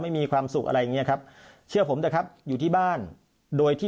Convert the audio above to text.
ไม่มีความสุขอะไรอย่างเงี้ยครับเชื่อผมเถอะครับอยู่ที่บ้านโดยที่